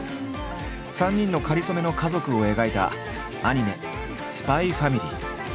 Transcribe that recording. ３人のかりそめの家族を描いたアニメ「ＳＰＹ×ＦＡＭＩＬＹ」。